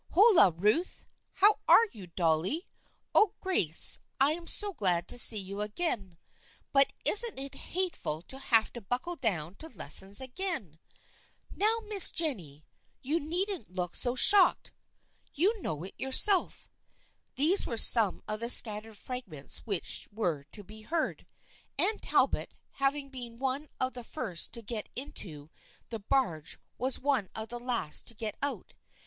" Holloa, Ruth! How are you, Dolly? Oh, Grace, I'm so glad to see you again ! But isn't it hateful to have to buckle down to lessons again ? Now, Miss Jennie, you needn't look so shocked ! You know it yourself." These were some of the scattered fragments which were to be heard. Anne Talbot, having been one of the first to get into the THE FRIENDSHIP OF ANNE 221 barge was one of the last to get out.